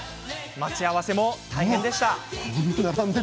待ち合わせも大変でした。